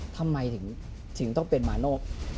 ทำไมถึงต้องเป็นมาโน่